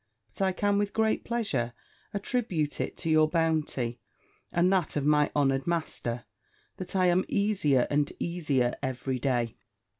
But I can with great pleasure attribute it to your bounty, and that of my honoured master, that I am easier and easier every day."